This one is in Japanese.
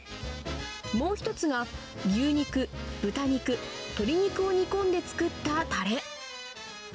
もう１つが、牛肉、豚肉、鶏肉を煮込んで作ったたれ。